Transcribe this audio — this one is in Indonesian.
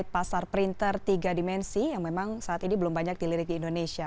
pasar printer tiga dimensi yang memang saat ini belum banyak dilirik di indonesia